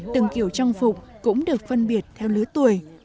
từng kiểu trang phục cũng được phân biệt theo lứa tuổi